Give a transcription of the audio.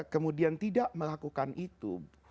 kemudian tidak melakukan itu